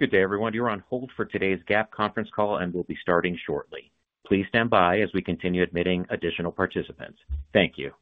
Good day, everyone. You're on hold for today's GAP conference call, and we'll be starting shortly. Please stand by as we continue admitting additional participants. Thank you.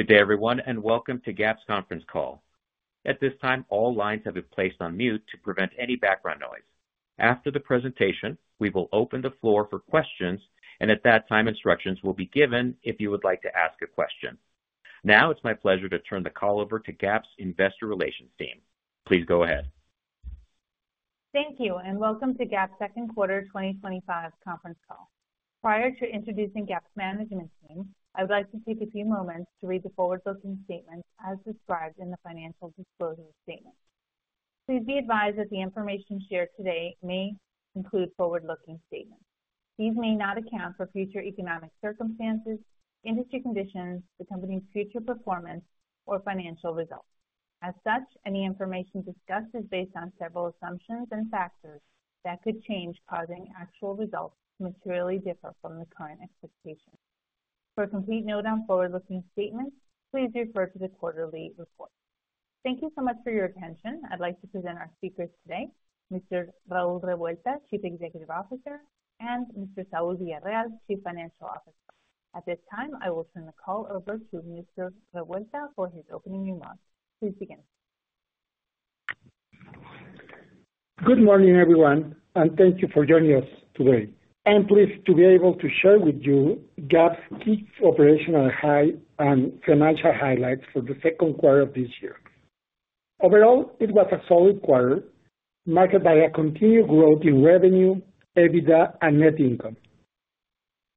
Good day, everyone, and welcome to GAP's conference call. At this time, all lines have been placed on mute to prevent any background noise. After the presentation, we will open the floor for questions, and at that time, instructions will be given if you would like to ask a question. Now, it's my pleasure to turn the call over to GAP's Investor Relations team. Please go ahead. Thank you, and welcome to GAP's second quarter 2025 conference call. Prior to introducing GAP's Management Team, I would like to take a few moments to read the forward-looking statements as described in the financial disclosure statement. Please be advised that the information shared today may include forward-looking statements. These may not account for future economic circumstances, industry conditions, the company's future performance, or financial results. As such, any information discussed is based on several assumptions and factors that could change, causing actual results to materially differ from the current expectations. For a complete note on forward-looking statements, please refer to the quarterly report. Thank you so much for your attention. I'd like to present our speakers today: Mr. Raúl Revuelta, Chief Executive Officer, and Mr. Saúl Villarreal, Chief Financial Officer. At this time, I will turn the call over to Mr. Revuelta for his opening remarks. Please begin. Good morning, everyone, and thank you for joining us today. I'm pleased to be able to share with you GAP's key operational highs and financial highlights for the second quarter of this year. Overall, it was a solid quarter marked by continued growth in revenue, EBITDA, and net income.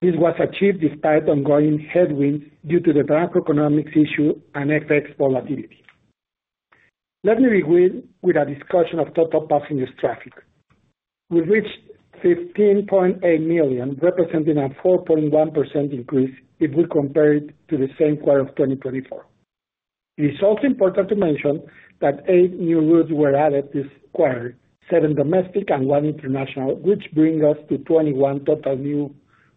This was achieved despite ongoing headwinds due to macroeconomic issues and FX volatility. Let me begin with a discussion of total passenger traffic. We reached 15.8 million, representing a 4.1% increase if we compare it to the same quarter of 2024. It is also important to mention that eight new routes were added this quarter: seven domestic and one international, which brings us to 21 total new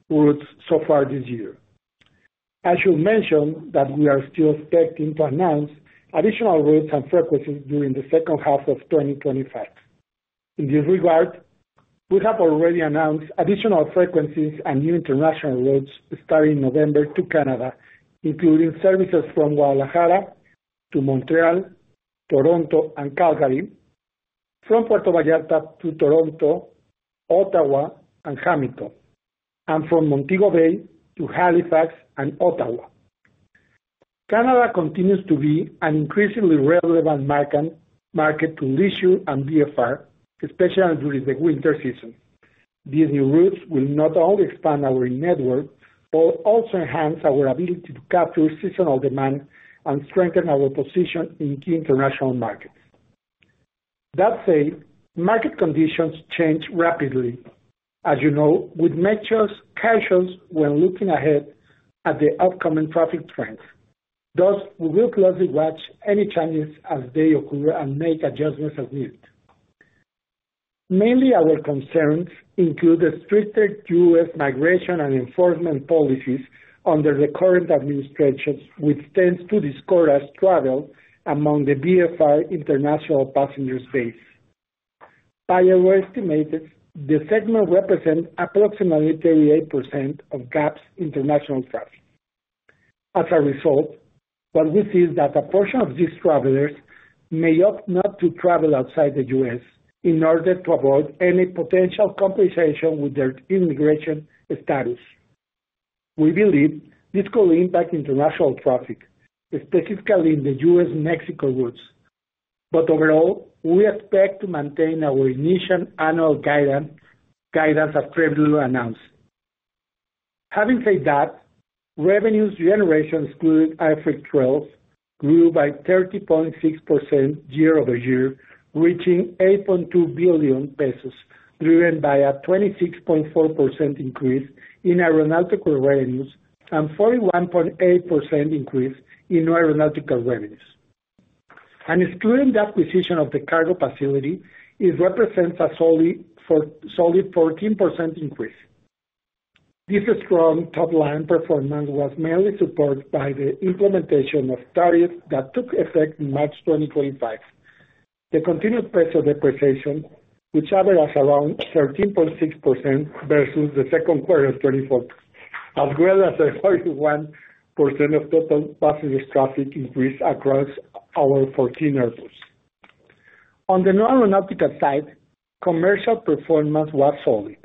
routes so far this year. As you mentioned, we are still expecting to announce additional routes and frequencies during the second half of 2025. In this regard, we have already announced additional frequencies and new international routes starting in November to Canada, including services from Guadalajara to Montreal, Toronto, and Calgary, from Puerto Vallarta to Toronto, Ottawa, and Hamilton, and from Montego Bay to Halifax and Ottawa. Canada continues to be an increasingly relevant market to LISU and BFR, especially during the winter season. These new routes will not only expand our network but also enhance our ability to capture seasonal demand and strengthen our position in key international markets. That said, market conditions change rapidly. As you know, we may choose caution when looking ahead at the upcoming traffic trends. Thus, we will closely watch any changes as they occur and make adjustments as needed. Mainly, our concerns include the stricter U.S. migration and enforcement policies under the current administration, which tends to discourage travel among the BFR international passengers' base. By our estimates, the segment represents approximately 38% of GAP's international traffic. As a result, what we see is that a portion of these travelers may opt not to travel outside the U.S. in order to avoid any potential complications with their immigration status. We believe this could impact international traffic, specifically in the U.S.-Mexico routes. Overall, we expect to maintain our initial annual guidance as previously announced. Having said that, revenue generation excluding IFRIC 12 grew by 30.6% year-over-year, reaching 8.2 billion pesos, driven by a 26.4% increase in aeronautical revenues and 41.8% increase in non-aeronautical revenues. Excluding the acquisition of the cargo facility, it represents a solid 14% increase. This strong top-line performance was mainly supported by the implementation of tariffs that took effect in March 2025. The continued pace of depreciation, which averaged around 13.6% versus the second quarter of 2024, as well as a 4.1% total passenger traffic increase across our 14 airports. On the non-aeronautical side, commercial performance was solid.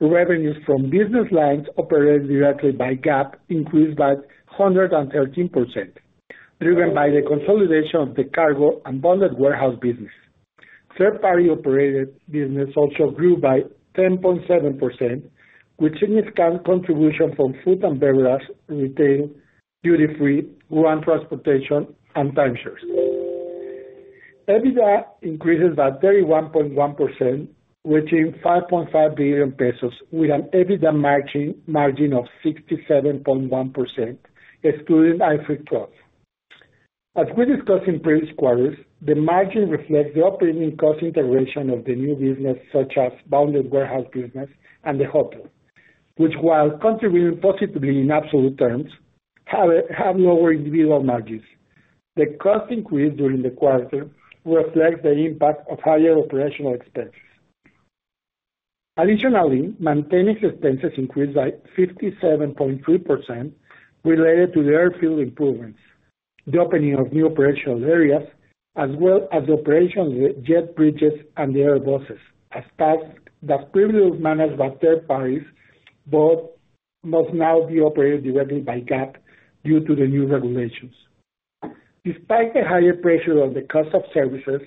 Revenues from business lines operated directly by GAP increased by 113%, driven by the consolidation of the cargo and bonded warehouse business. Third-party operated business also grew by 10.7%, with significant contributions from food and beverage, retail, duty-free, ground transportation, and timeshares. EBITDA increased by 31.1%, reaching 5.5 billion pesos, with an EBITDA margin of 67.1%, excluding IFRIC 12. As we discussed in previous quarters, the margin reflects the operating cost integration of the new business, such as bonded warehouse business and the hotel, which, while contributing positively in absolute terms, have lower individual margins. The cost increase during the quarter reflects the impact of higher operational expenses. Additionally, maintenance expenses increased by 57.3%, related to the airfield improvements, the opening of new operational areas, as well as the operation of the jet bridges and the air buses. As such, those previously managed by third parties must now be operated directly by GAP due to the new regulations. Despite the higher pressure on the cost of services,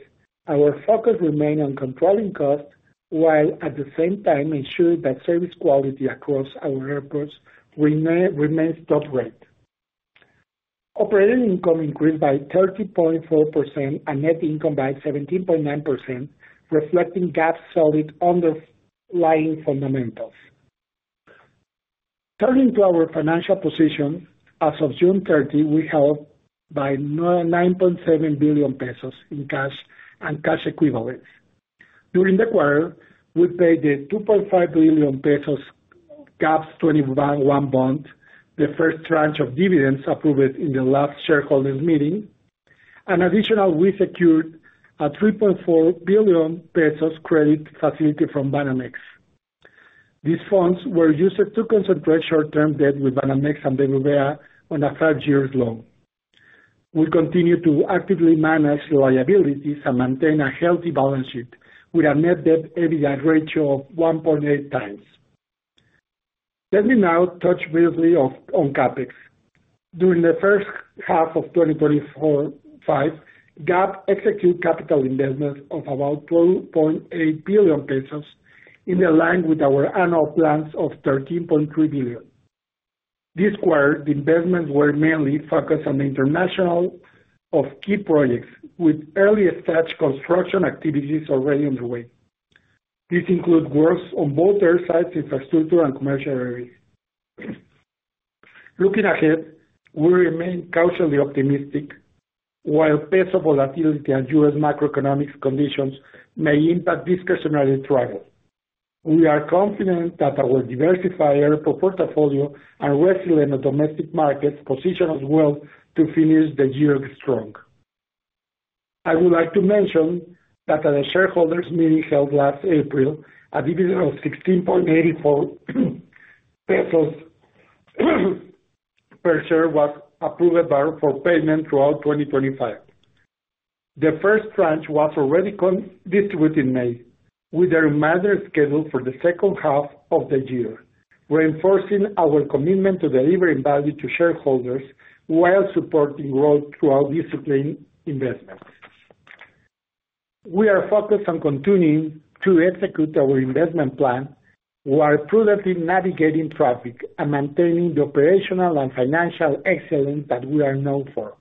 our focus remained on controlling costs while at the same time ensuring that service quality across our airports remains top-rate. Operating income increased by 30.4% and net income by 17.9%, reflecting GAP's solid underlying fundamentals. Turning to our financial position, as of June 30, we held 9.7 billion pesos in cash and cash equivalents. During the quarter, we paid the 2.5 billion pesos GAP 2021 bond, the first tranche of dividends approved in the last shareholders' meeting, and additionally, we secured a 3.4 billion pesos credit facility from Banamex. These funds were used to concentrate short-term debt with Banamex and Degrovea on a five-years loan. We continue to actively manage liabilities and maintain a healthy balance sheet with a net debt/EBITDA ratio of 1.8x. Let me now touch briefly on CapEx. During the first half of 2025, GAP execute capital investments of about 12.8 billion pesos in line with our annual plans of 13.3 billion. This quarter, the investments were mainly focused on the international phase of key projects, with early-stage construction activities already underway. These include works on both airside infrastructure and commercial areas. Looking ahead, we remain cautiously optimistic, while peso volatility and U.S. macroeconomic conditions may impact discretionary travel. We are confident that our diversified airport portfolio and resilient domestic markets position us well to finish the year strong. I would like to mention that at the shareholders' meeting held last April, a dividend of 16.84 pesos per share was approved for forward payment throughout 2025. The first tranche was already distributed in May, with the remainder scheduled for the second half of the year, reinforcing our commitment to delivering value to shareholders while supporting growth through this [discipline] investments. We are focused on continuing to execute our investment plan while prudently navigating traffic and maintaining the operational and financial excellence that we are known for.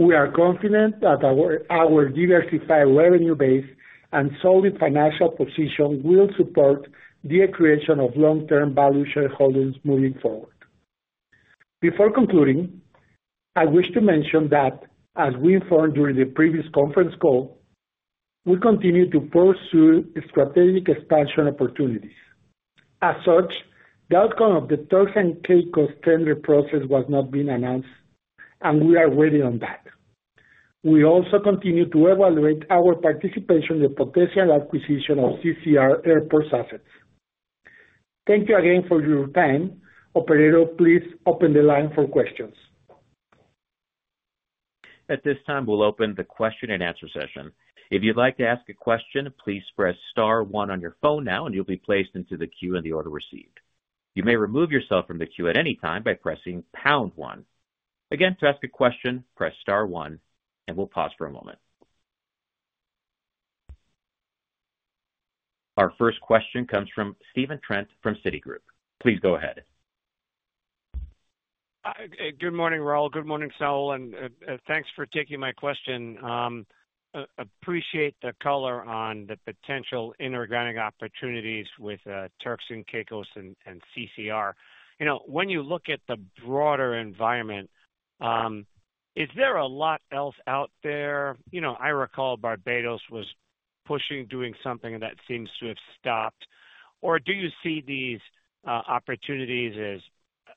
We are confident that our diversified revenue base and solid financial position will support the accretion of long-term value shareholders moving forward. Before concluding, I wish to mention that, as we informed during the previous conference call, we continue to pursue strategic expansion opportunities. As such, the outcome of the Turks and Caicos tender process was not yet announced, and we are waiting on that. We also continue to evaluate our participation in the potential acquisition of CCR Airports assets. Thank you again for your time. Operator, please open the line for questions. At this time, we'll open the question and answer session. If you'd like to ask a question, please press star one on your phone now, and you'll be placed into the queue in the order received. You may remove yourself from the queue at any time by pressing pound one. Again, to ask a question, press star one, and we'll pause for a moment. Our first question comes from Stephen Trent from Citigroup. Please go ahead. Good morning, Raúl. Good morning, Saúl. Thanks for taking my question. Appreciate the color on the potential inorganic opportunities with Turks and Caicos and CCR. When you look at the broader environment, is there a lot else out there? I recall Barbados was pushing, doing something, and that seems to have stopped. Do you see these opportunities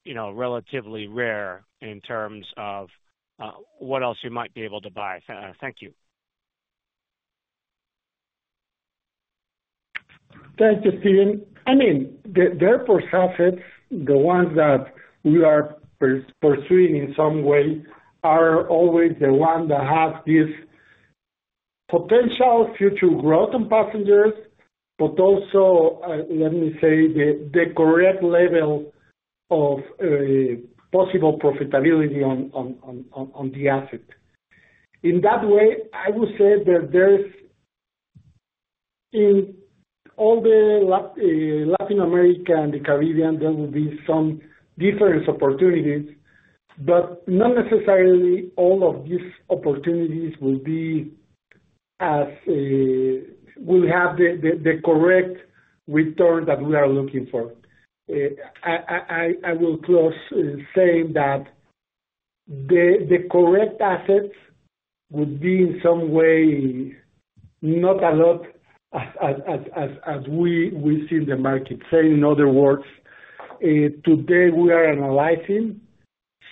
as relatively rare in terms of what else you might be able to buy? Thank you. Thank you, Stephen. I mean, the airports assets, the ones that we are pursuing in some way, are always the ones that have this potential future growth in passengers, but also, let me say, the correct level of possible profitability on the asset. In that way, I would say that there's, in all the Latin America and the Caribbean, there will be some different opportunities, but not necessarily all of these opportunities will have the correct return that we are looking for. I will close saying that the correct assets would be in some way not a lot, as we see in the market. Say in other words, today, we are analyzing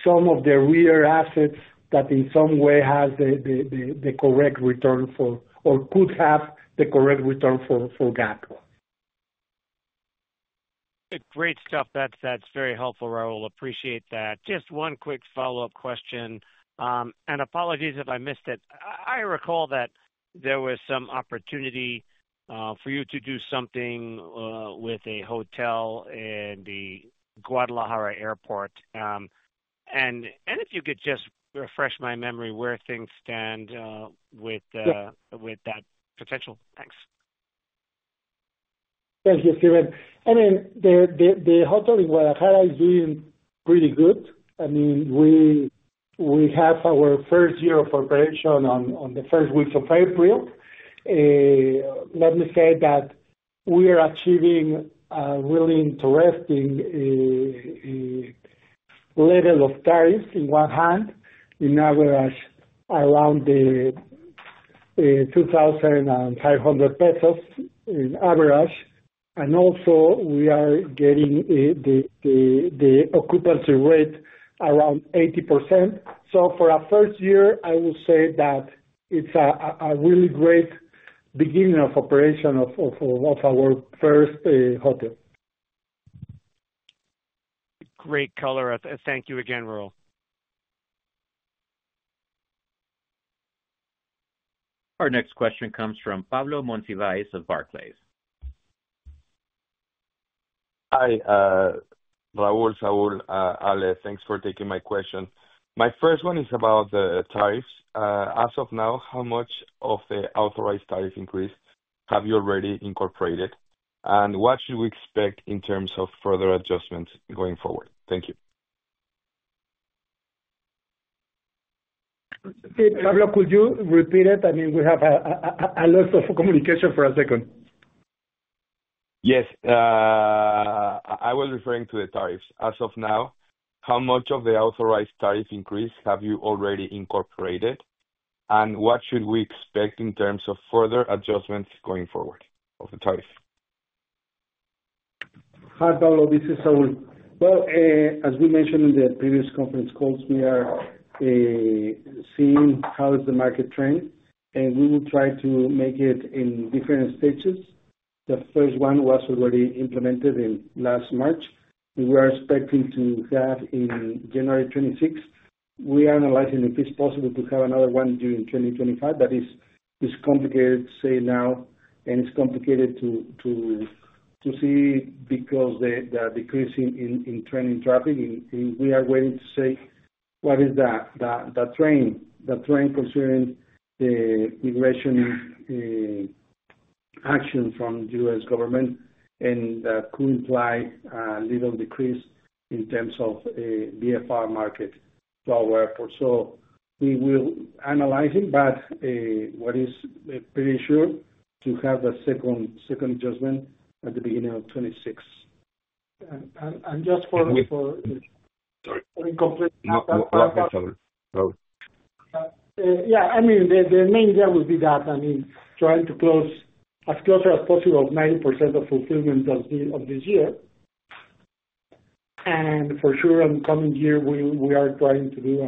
some of the rare assets that in some way have the correct return for or could have the correct return for GAP. Great stuff. That's very helpful, Raúl. Appreciate that. Just one quick follow-up question. Apologies if I missed it. I recall that there was some opportunity for you to do something with a hotel in the Guadalajara Airport. If you could just refresh my memory where things stand with that potential. Thanks. Thank you, Stephen. I mean, the hotel in Guadalajara is doing pretty good. I mean, we have our first year of operation on the first week of April. Let me say that we are achieving a really interesting level of tariffs in one hand, in average around 2,500 pesos in average. And also, we are getting the occupancy rate around 80%. For our first year, I would say that it's a really great beginning of operation of our first hotel. Great color. Thank you again, Raúl. Our next question comes from Pablo Monsivais of Barclays. Hi. Raúl, Saúl, Ale, thanks for taking my question. My first one is about the tariffs. As of now, how much of the authorized tariff increase have you already incorporated? What should we expect in terms of further adjustments going forward? Thank you. Pablo, could you repeat it? I mean, we have a loss of communication for a second. Yes. I was referring to the tariffs. As of now, how much of the authorized tariff increase have you already incorporated? What should we expect in terms of further adjustments going forward of the tariffs? Hi, Pablo. This is Saúl. As we mentioned in the previous conference calls, we are seeing how the market trends, and we will try to make it in different stages. The first one was already implemented in last March, and we are expecting to have in January 2026. We are analyzing if it's possible to have another one during 2025. That is complicated to say now, and it's complicated to see because of the decrease in training traffic. We are waiting to see what is the trend, considering the immigration action from the U.S. government. That could imply a little decrease in terms of the BFR market to our airport. We will analyze it, but what is pretty sure is to have the second adjustment at the beginning of 2026. Just for Yeah. I mean, the main idea would be that, I mean, trying to close as close as possible to 90% of fulfillment of this year. For sure, in the coming year, we are trying to do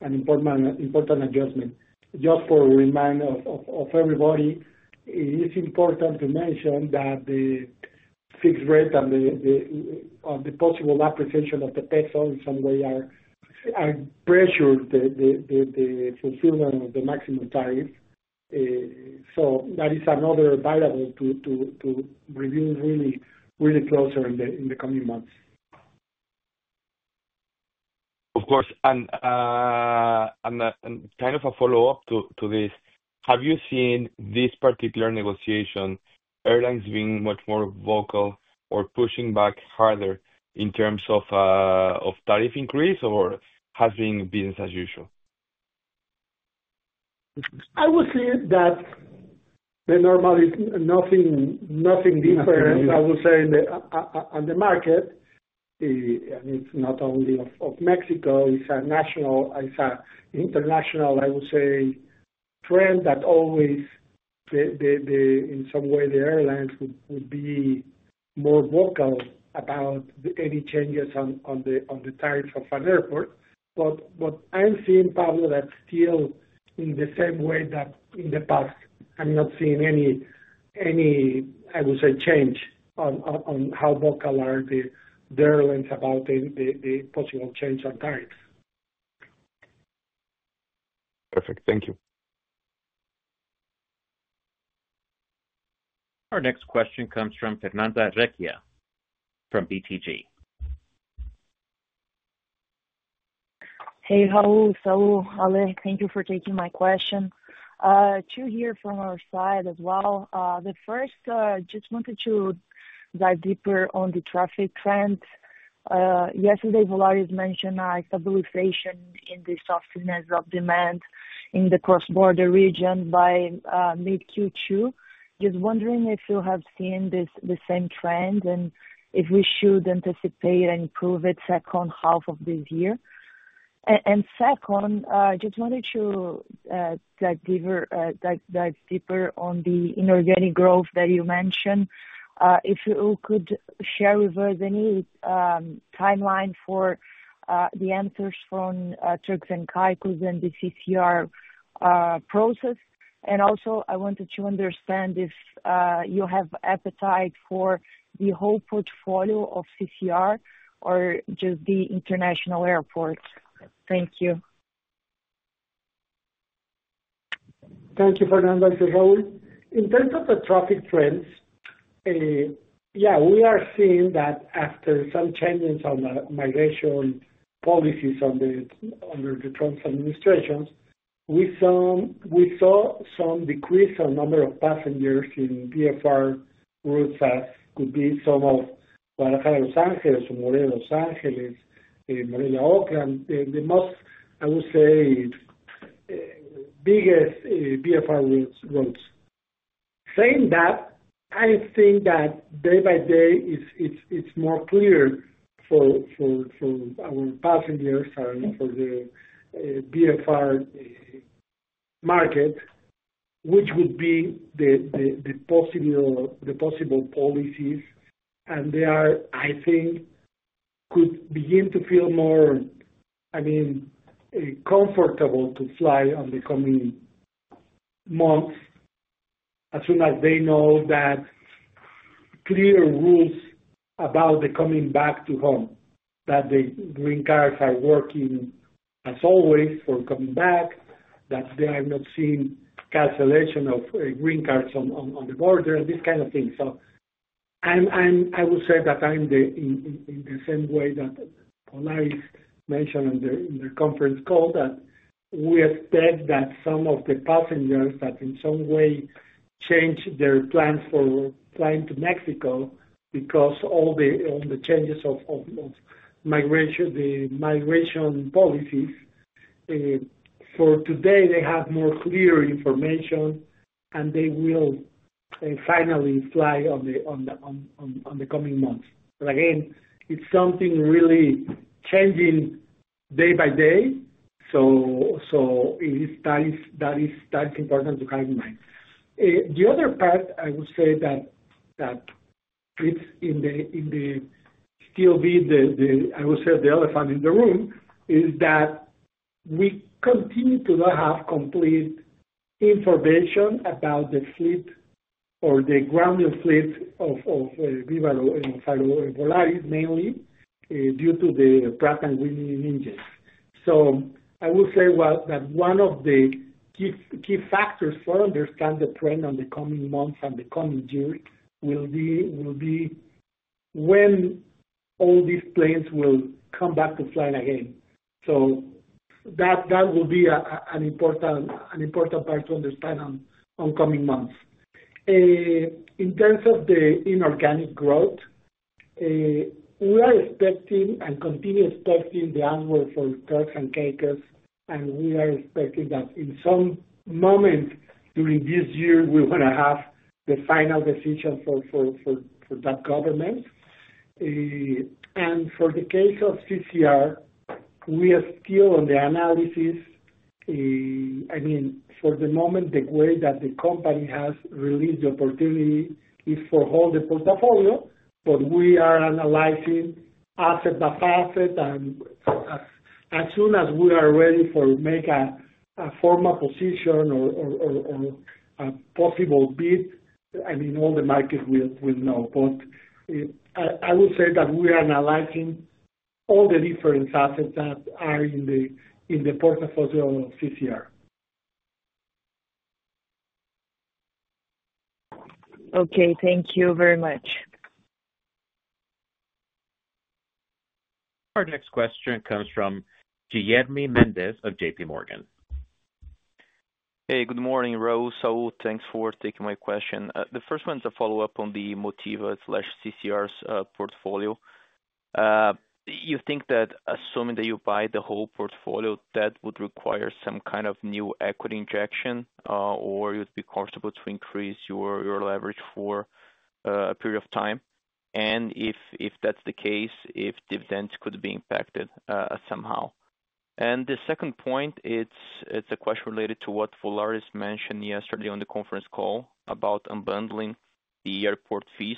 an important adjustment. Just for a reminder of everybody, it is important to mention that the fixed rate and the possible appreciation of the peso in some way are pressuring the fulfillment of the maximum tariff. That is another variable to review really closely in the coming months. Of course. Kind of a follow-up to this, have you seen this particular negotiation, airlines being much more vocal or pushing back harder in terms of tariff increase, or has it been business as usual? I would say that. Normally, nothing different, I would say, in the market. It's not only of Mexico. It's an international, I would say, trend that always, in some way, the airlines would be more vocal about any changes on the tariffs of an airport. I'm seeing, Pablo, that still in the same way that in the past, I'm not seeing any, I would say, change on how vocal are the airlines about the possible change on tariffs. Perfect. Thank you. Our next question comes from Fernanda Recchia from BTG. Hey, Raúl, Saúl, Ale. Thank you for taking my question. Two here from our side as well. The first, I just wanted to dive deeper on the traffic trends. Yesterday, Volaris mentioned a stabilization in the softness of demand in the cross-border region by mid-Q2. Just wondering if you have seen the same trend and if we should anticipate an improvement in the second half of this year. Second, I just wanted to dive deeper on the inorganic growth that you mentioned. If you could share with us any timeline for the answers from Turks and Caicos and the CCR process. Also, I wanted to understand if you have appetite for the whole portfolio of CCR or just the international airports. Thank you. Thank you, Fernanda, it's Raúl. In terms of the traffic trends. Yeah, we are seeing that after some changes on the migration policies under the Trump's administration, we saw some decrease on number of passengers in BFR routes as could be some of Guadalajara-Los Angeles, Morelo-Los Angeles, Morelo-Oakland, the most, I would say. Biggest BFR routes. Saying that, I think that day by day, it is more clear for our passengers and for the BFR market which would be the possible policies. And they are, I think, could begin to feel more, I mean, comfortable to fly in the coming months as soon as they know that clear rules about coming back to home, that the green cards are working as always for coming back, that they are not seeing cancellation of green cards on the border, and this kind of thing. I would say that I am in the same way that Volaris mentioned in the conference call, that we expect that some of the passengers that in some way changed their plans for flying to Mexico because of all the changes of migration policies, for today, they have more clear information, and they will finally fly in the coming months. Again, it is something really changing day by day. It is that is important to have in mind. The other part, I would say, that fits in the, still be the, I would say, the elephant in the room, is that we continue to not have complete information about the fleet or the ground fleet of Viva Aerobus and Volaris, mainly due to the Pratt & Whitney engines. I would say that one of the key factors for understanding the trend on the coming months and the coming year will be when all these planes will come back to fly again. That will be an important part to understand on the coming months. In terms of the inorganic growth, we are expecting and continue expecting the answer for Turks and Caicos, and we are expecting that in some moment during this year, we are going to have the final decision for that government. For the case of CCR, we are still on the analysis. I mean, for the moment, the way that the company has released the opportunity is for all the portfolio, but we are analyzing asset by asset. As soon as we are ready to make a formal position or a possible bid, I mean, all the market will know. I would say that we are analyzing all the different assets that are in the portfolio of CCR. Okay. Thank you very much. Our next question comes from Guilherme Mendes of JP Morgan. Hey, good morning, Raúl. Saúl, thanks for taking my question. The first one is a follow-up on the Motiva/CCR's portfolio. You think that assuming that you buy the whole portfolio, that would require some kind of new equity injection, or you'd be comfortable to increase your leverage for a period of time? If that's the case, if dividends could be impacted somehow. The second point, it's a question related to what Volaris mentioned yesterday on the conference call about unbundling the airport fees.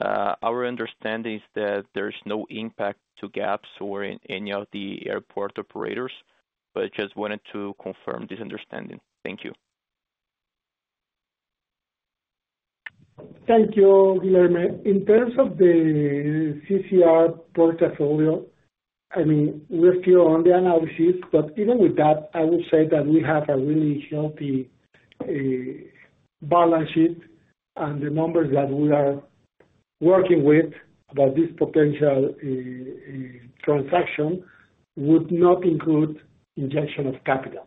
Our understanding is that there's no impact to GAP or any of the airport operators, but just wanted to confirm this understanding. Thank you. Thank you, Guillerme. In terms of the CCR portfolio, I mean, we're still on the analysis, but even with that, I would say that we have a really healthy balance sheet, and the numbers that we are working with about this potential transaction would not include injection of capital.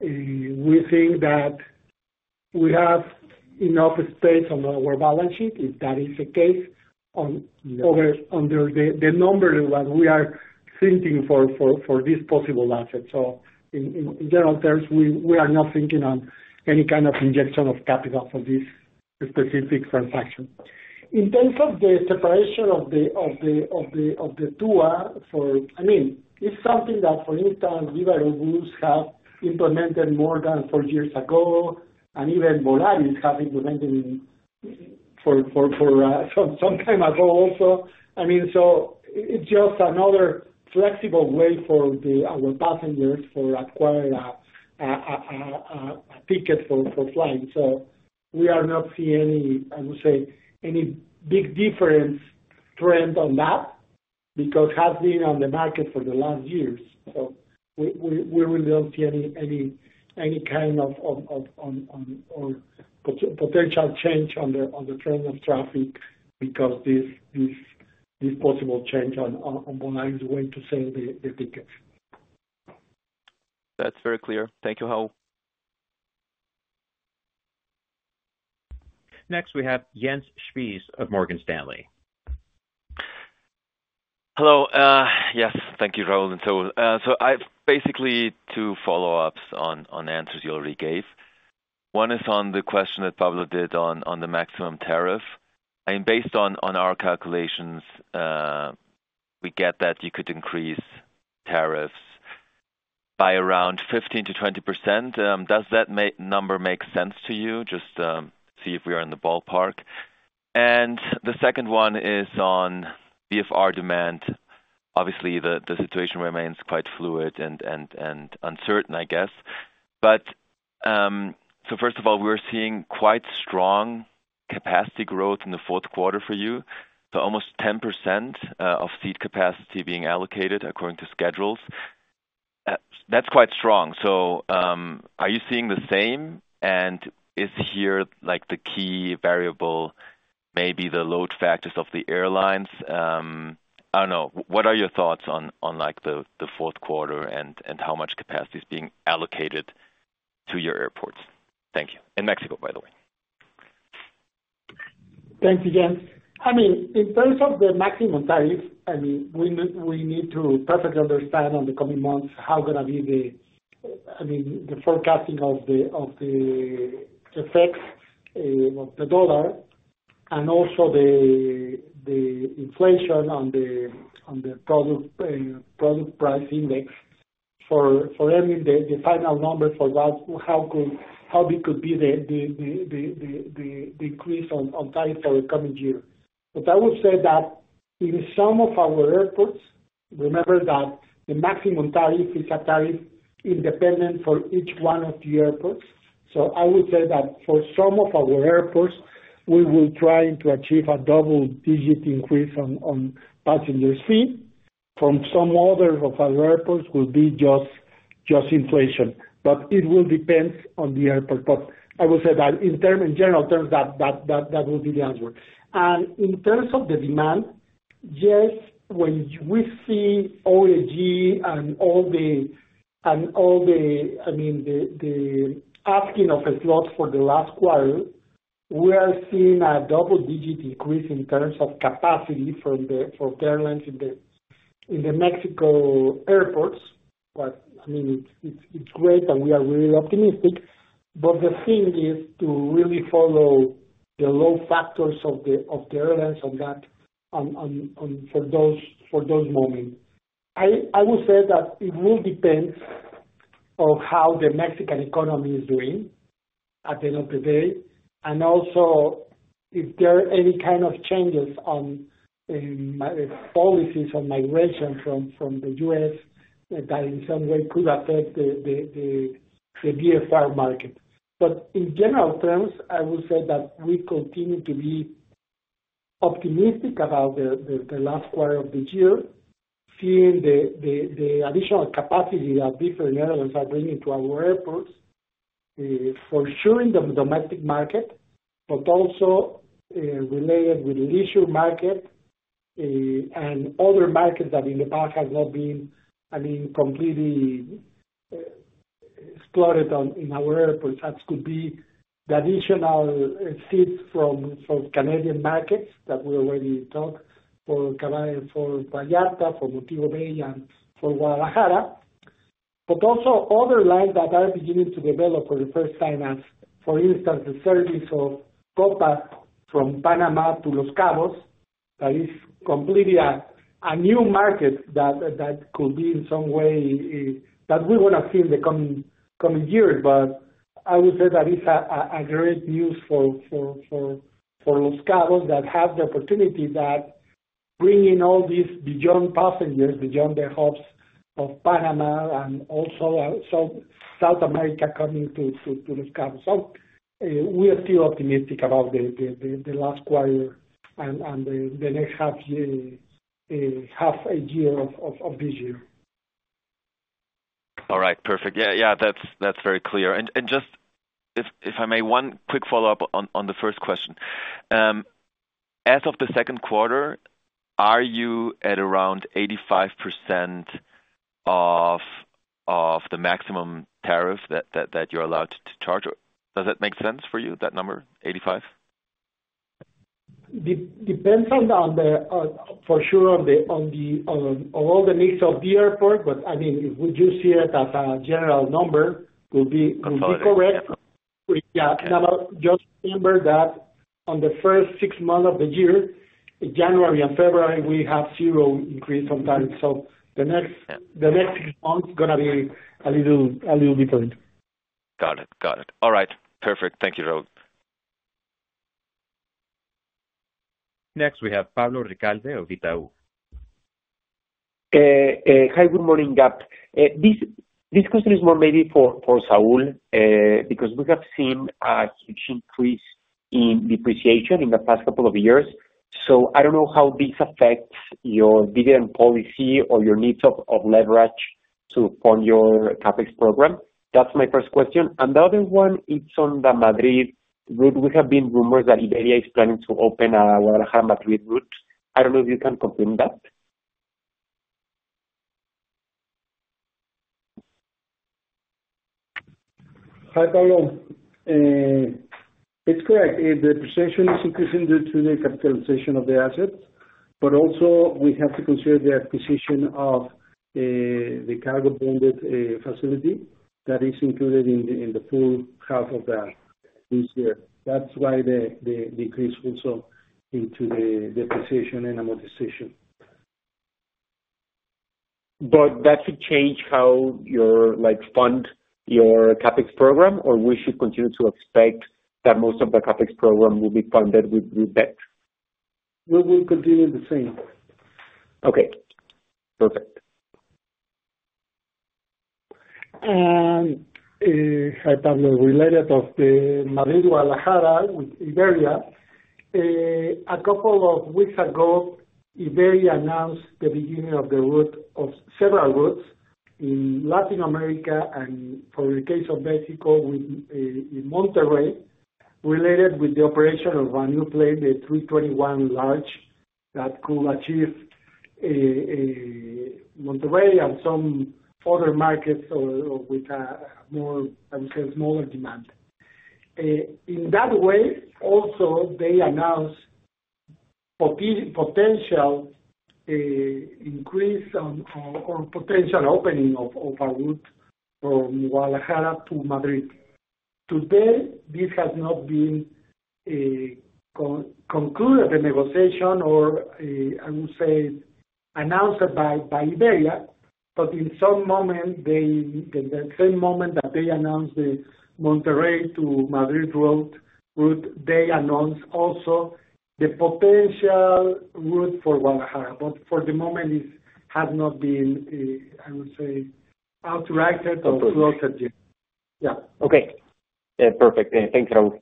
We think that we have enough space on our balance sheet, if that is the case, on the number that we are thinking for this possible asset. In general terms, we are not thinking on any kind of injection of capital for this specific transaction. In terms of the separation of the TUA, I mean, it's something that, for instance, Viva Aerobus have implemented more than four years ago, and even Volaris have implemented for some time ago also. I mean, it's just another flexible way for our passengers to acquire a ticket for flying. We are not seeing any, I would say, any big difference trend on that because it has been on the market for the last years. We really don't see any kind of or potential change on the trend of traffic because this possible change on Volaris went to sell the tickets. That's very clear. Thank you, Raúl. Next, we have Jens Spiess of Morgan Stanley. Hello. Yes. Thank you, Raúl and Saúl. I have basically, two follow-ups on answers you already gave. One is on the question that Pablo did on the maximum tariff. I mean, based on our calculations, we get that you could increase tariffs by around 15%-20%. Does that number make sense to you? Just to see if we are in the ballpark. The second one is on BFR demand. Obviously, the situation remains quite fluid and uncertain, I guess. First of all, we're seeing quite strong capacity growth in the fourth quarter for you, so almost 10% of seat capacity being allocated according to schedules. That's quite strong. Are you seeing the same? Is here the key variable maybe the load factors of the airlines? I don't know. What are your thoughts on the fourth quarter and how much capacity is being allocated to your airports? Thank you. In Mexico, by the way. Thanks, Jens. I mean, in terms of the maximum tariff, I mean, we need to perfectly understand in the coming months how going to be the, I mean, the forecasting of the effects of the dollar and also the inflation on the product price index for ending the final number for how big could be the increase on tariff for the coming year. I would say that in some of our airports, remember that the maximum tariff is a tariff independent for each one of the airports. I would say that for some of our airports, we will try to achieve a double-digit increase on passengers' fee. From some others of our airports would be just inflation. It will depend on the airport. I would say that in general terms, that would be the answer. In terms of the demand, yes, when we see OAG and all the, I mean, the asking of slots for the last quarter, we are seeing a double-digit increase in terms of capacity for airlines in the Mexico airports. I mean, it's great, and we are really optimistic. The thing is to really follow the load factors of the airlines for those moments. I would say that it will depend on how the Mexican economy is doing at the end of the day and also if there are any kind of changes on its policies on migration from the U.S. that in some way could affect the BFR market. In general terms, I would say that we continue to be optimistic about the last quarter of the year, seeing the additional capacity that different airlines are bringing to our airports, for sure in the domestic market, but also related with the leisure market and other markets that in the past have not been, I mean, completely exploded in our airports. That could be the additional seats from Canadian markets that we already talked for Vallarta, for Montego Bay, and for Guadalajara, but also other lines that are beginning to develop for the first time, as for instance, the service of Copa from Panama to Los Cabos. That is completely a new market that could be in some way that we're going to see in the coming year. I would say that is great news for Los Cabos, that has the opportunity that bringing all these beyond passengers, beyond the hubs of Panama and also South America coming to Los Cabos. We are still optimistic about the last quarter and the next half year of this year. All right. Perfect. Yeah, yeah, that's very clear. If I may, one quick follow-up on the first question. As of the second quarter, are you at around 85% of the maximum tariff that you're allowed to charge? Does that make sense for you, that number, 85? Depends on. For sure, on all the needs of the airport. I mean, if we just see it as a general number, it would be correct. Yeah. Just remember that on the first six months of the year, January and February, we have zero increase on tariffs. The next six months is going to be a little different. Got it. Got it. All right. Perfect. Thank you, Raúl. Next, we have Pablo Ricalde of Itaú. Hi, good morning, GAP. This question is more maybe for Saúl because we have seen a huge increase in depreciation in the past couple of years. So I don't know how this affects your dividend policy or your needs of leverage to fund your CapEx program. That's my first question. The other one, it's on the Madrid route. We have been rumors that Iberia is planning to open a Guadalajara-Madrid route. I don't know if you can confirm that. Hi, Pablo. It's correct. The depreciation is increasing due to the capitalization of the assets. Also, we have to consider the acquisition of the cargo bonded facility that is included in the full half of this year. That's why the increase also into the depreciation and amortization. But that should change how you fund your CapEx program, or we should continue to expect that most of the CapEx program will be funded with debt? We will continue the same. Okay. Perfect. Hi, Pablo. Related to the Madrid-Guadalajara with Iberia. A couple of weeks ago, Iberia announced the beginning of the route of several routes in Latin America and, for the case of Mexico, in Monterrey, related with the operation of a new plane, the 321 Large, that could achieve Monterrey and some other markets with a more, I would say, smaller demand. In that way, also, they announced potential increase or potential opening of a route from Guadalajara to Madrid. Today, this has not been concluded, the negotiation, or I would say, announced by Iberia. In the same moment that they announced the Monterrey to Madrid route, they announced also the potential route for Guadalajara. For the moment, it has not been, I would say, outrighted or closed yet. Yeah. Okay. Yeah. Perfect. Thanks, Raúl.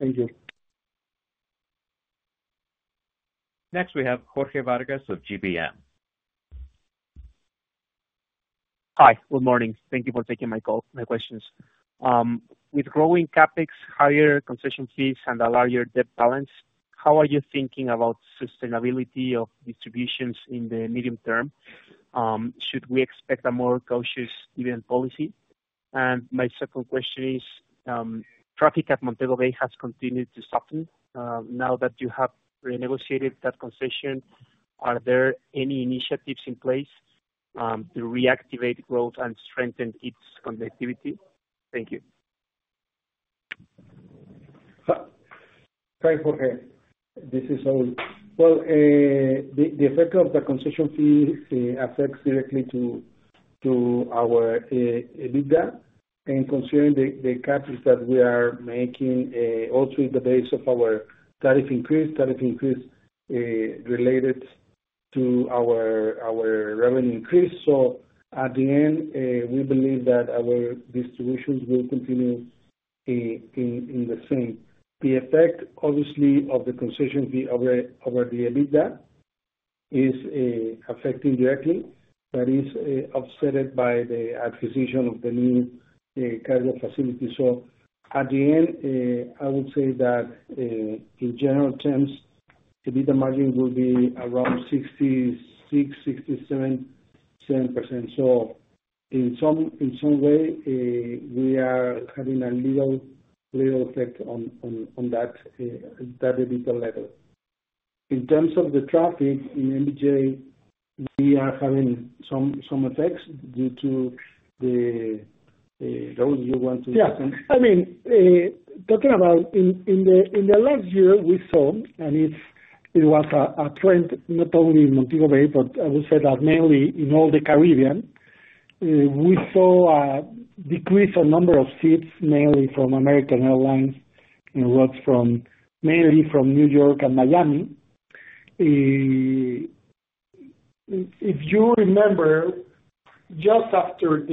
Thank you. Next, we have Jorge Vargas with GBM. Hi. Good morning. Thank you for taking my call, my questions. With growing CapEx, higher concession fees, and a larger debt balance, how are you thinking about sustainability of distributions in the medium term? Should we expect a more cautious dividend policy? My second question is, traffic at Montego Bay has continued to soften now that you have renegotiated that concession. Are there any initiatives in place to reactivate growth and strengthen its connectivity? Thank you. Hi. Hi, Jorge. This is Saúl. The effect of the concession fee affects directly to our EBITDA. Considering the CapEx that we are making also in the base of our tariff increase, tariff increase related to our revenue increase. At the end, we believe that our distributions will continue in the same. The effect, obviously, of the concession fee over the EBITDA is affecting directly. That is offset by the acquisition of the new cargo facility. At the end, I would say that in general terms, the EBITDA margin will be around 66%-67.7%. In some way, we are having a little effect on that EBITDA level. In terms of the traffic, in MBJ, we are having some effects due to the—Raúl, you want to—yeah. I mean, talking about in the last year, we saw, and it was a trend not only in Montego Bay, but I would say that mainly in all the Caribbean, we saw a decrease on number of seats, mainly from American Airlines, and routes mainly from New York and Miami. If you remember, just after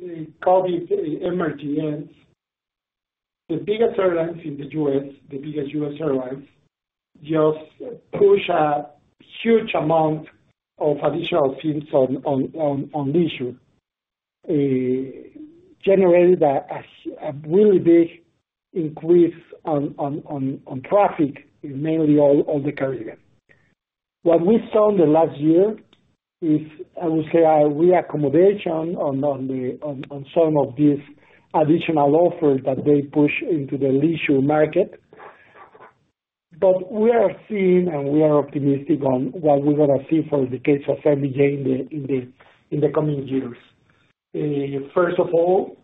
the COVID emergency ends, the biggest airlines in the U.S., the biggest U.S. airlines, just pushed a huge amount of additional seats on leisure. Generated a really big increase on traffic in mainly all the Caribbean. What we saw in the last year is, I would say, a reaccommodation on some of these additional offers that they pushed into the leisure market. We are seeing, and we are optimistic on what we're going to see for the case of MBJ in the coming years. First of all,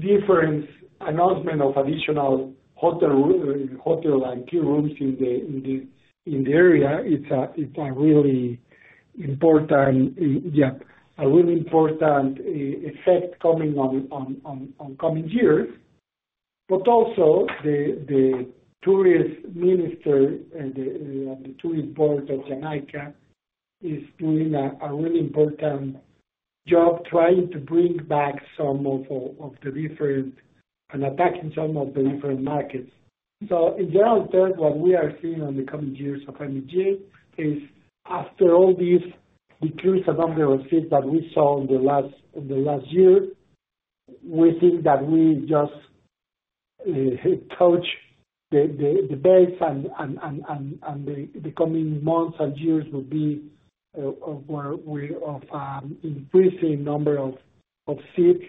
different announcement of additional hotel and queue rooms in the area, it's a really important, yeah, a really important effect coming on coming years. Also, the tourism minister, the tourist board of Jamaica is doing a really important job trying to bring back some of the different—and attacking some of the different markets. In general terms, what we are seeing in the coming years of MBJ is, after all these decreases of number of seats that we saw in the last year, we think that we just touched the base, and the coming months and years would be of increasing number of seats.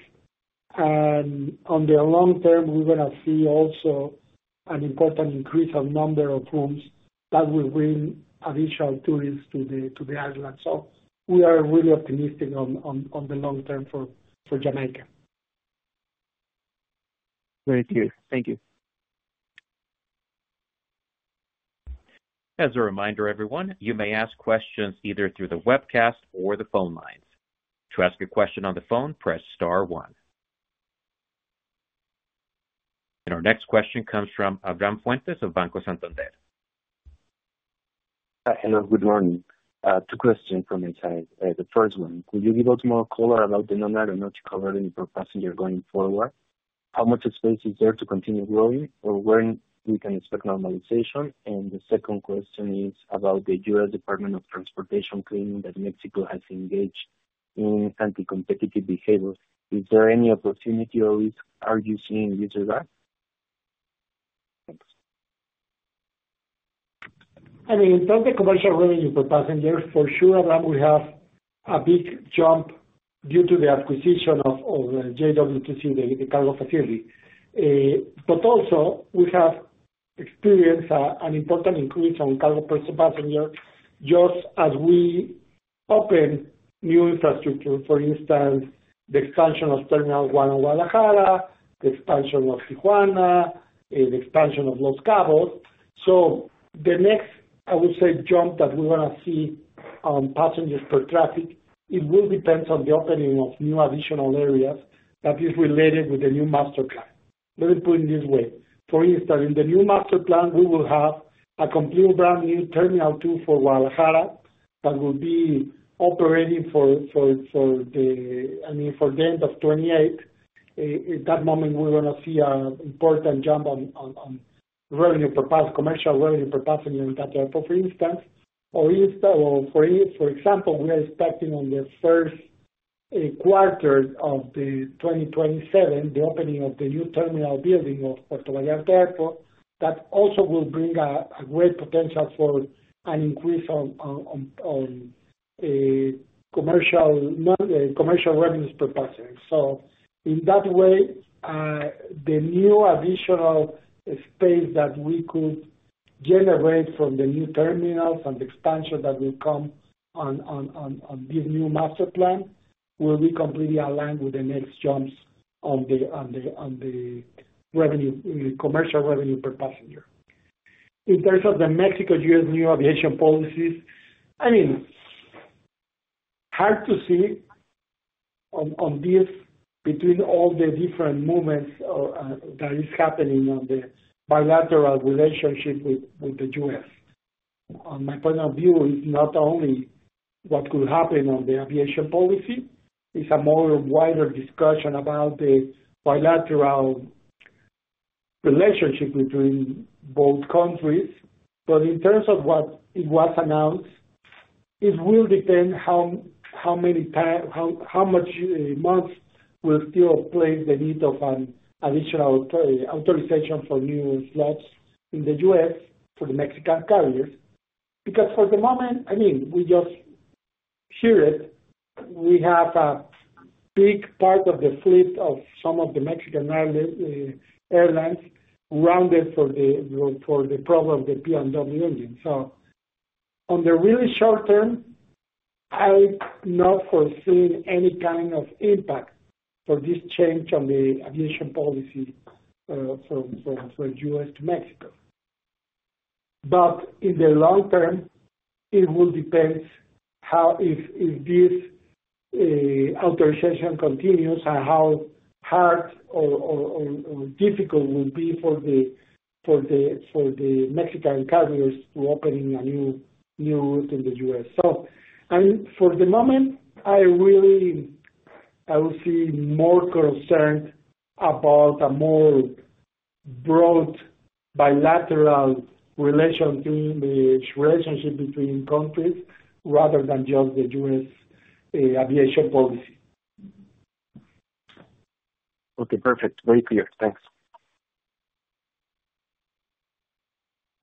On the long term, we're going to see also an important increase of number of rooms that will bring additional tourists to the island. We are really optimistic on the long term for Jamaica. Thank you. Thank you. As a reminder, everyone, you may ask questions either through the webcast or the phone lines. To ask a question on the phone, press star one. Our next question comes from Abraham Fuentes of Banco Santander. Hello. Good morning. Two questions from my side. The first one, will you give out more color about the non-aeronautical or not covering for passengers going forward? How much space is there to continue growing, or when we can expect normalization? The second question is about the U.S. Department of Transportation claiming that Mexico has engaged in anti-competitive behavior. Is there any opportunity or risk? Are you seeing due to that? I mean, it's not the commercial revenue per passenger. For sure, Abraham, we have a big jump due to the acquisition of JWTC, the cargo facility. But also, we have experienced an important increase on cargo per passenger just as we open new infrastructure, for instance, the expansion of Terminal 1 in Guadalajara, the expansion of Tijuana, the expansion of Los Cabos. The next, I would say, jump that we're going to see on passengers per traffic, it will depend on the opening of new additional areas that is related with the new master plan. Let me put it this way. For instance, in the new master plan, we will have a complete brand new Terminal 2 for Guadalajara that will be operating for the end of 2028. At that moment, we're going to see an important jump on commercial revenue per passenger in that airport, for instance. For example, we are expecting on the first quarter of 2027, the opening of the new terminal building of Puerto Vallarta Airport, that also will bring a great potential for an increase on commercial revenues per passenger. In that way, the new additional space that we could generate from the new terminals and the expansion that will come on this new master plan will be completely aligned with the next jumps on the commercial revenue per passenger. In terms of the Mexico-U.S. new aviation policies, I mean, hard to see on this between all the different movements that is happening on the bilateral relationship with the U.S. In my point of view, it's not only what could happen on the aviation policy. It's a more wider discussion about the bilateral relationship between both countries. In terms of what was announced, it will depend how many months will still place the need of an additional authorization for new slots in the U.S. for the Mexican carriers. Because for the moment, I mean, we just hear it. We have a big part of the fleet of some of the Mexican airlines grounded for the program of the P&W engine. On the really short term, I'm not foreseeing any kind of impact for this change on the aviation policy from U.S. to Mexico. In the long term, it will depend if this authorization continues and how hard or difficult it will be for the Mexican carriers to open a new route in the U.S. For the moment, I really see more concern about a more broad bilateral relationship between countries rather than just the U.S. aviation policy. Okay. Perfect. Very clear. Thanks.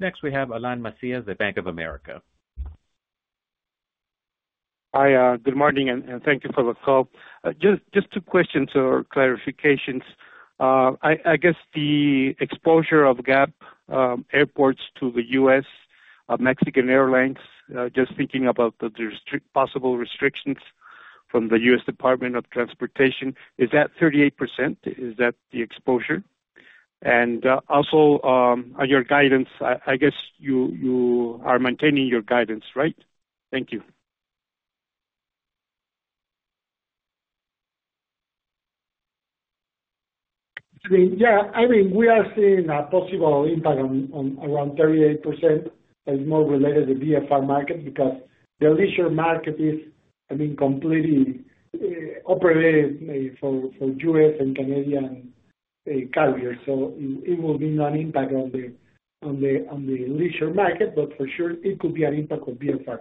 Next, we have Alain Macías, the Bank of America. Hi. Good morning. Thank you for the call. Just two questions or clarifications. I guess the exposure of GAP Airports to the U.S.-Mexican airlines, just thinking about the possible restrictions from the U.S. Department of Transportation, is that 38%? Is that the exposure? Also, on your guidance, I guess you are maintaining your guidance, right? Thank you. Yeah. I mean, we are seeing a possible impact around 38%. It's more related to the BFR market because the leisure market is, I mean, completely operated for U.S. and Canadian carriers. It will be an impact on the leisure market, but for sure, it could be an impact on BFR.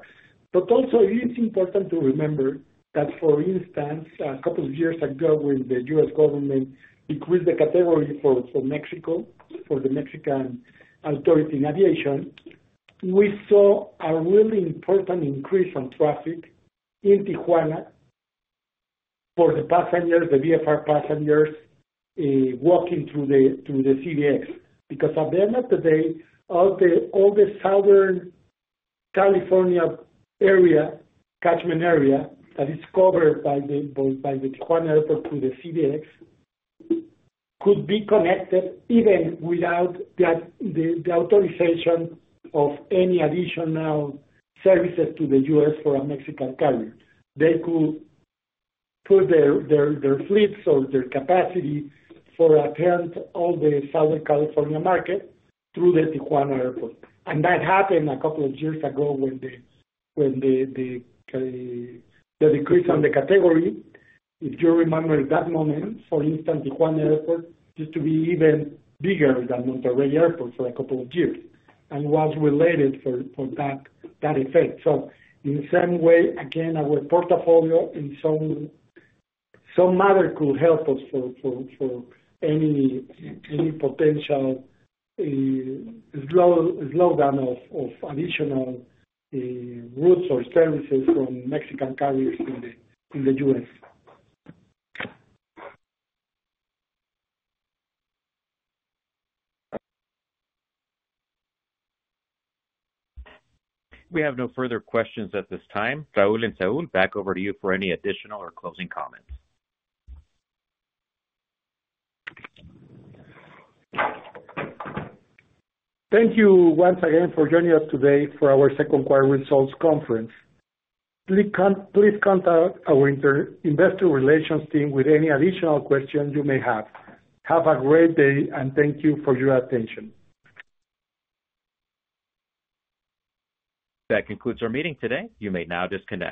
Also, it is important to remember that, for instance, a couple of years ago when the U.S. government decreased the category for Mexico, for the Mexican authority in aviation, we saw a really important increase in traffic in Tijuana for the passengers, the BFR passengers, walking through the CBX. Because at the end of the day, all the Southern California area, catchment area that is covered by the Tijuana Airport through the CBX, could be connected even without the authorization of any additional services to the U.S. for a Mexican carrier. They could put their fleets or their capacity for all the Southern California market through the Tijuana Airport. That happened a couple of years ago when the decrease on the category, if you remember at that moment, for instance, Tijuana Airport used to be even bigger than Monterrey Airport for a couple of years and was related for that effect. In some way, again, our portfolio in some manner could help us for any potential slowdown of additional routes or services from Mexican carriers in the U.S. We have no further questions at this time. Raúl and Saúl, back over to you for any additional or closing comments. Thank you once again for joining us today for our second quarter results conference. Please contact our investor relations team with any additional questions you may have. Have a great day, and thank you for your attention. That concludes our meeting today. You may now disconnect.